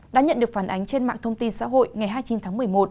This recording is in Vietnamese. đã nhận được phản ánh trên mạng thông tin xã hội ngày hai mươi chín tháng một mươi một